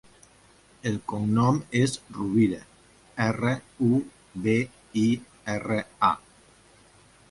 El cognom és Rubira: erra, u, be, i, erra, a.